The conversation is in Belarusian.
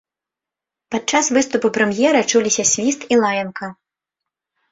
Падчас выступу прэм'ера чуліся свіст і лаянка.